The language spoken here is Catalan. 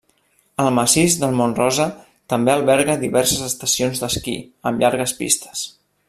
El massís del mont Rosa també alberga diverses estacions d'esquí amb llargues pistes.